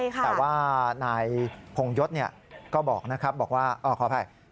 แต่ว่านายพงยศก็บอกนะครับบอกว่าขออภัย